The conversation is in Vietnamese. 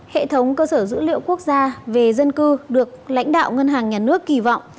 hệ thống cơ sở dữ liệu quốc gia về dân cư được lãnh đạo ngân hàng nhà nước kỳ vọng